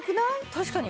確かに。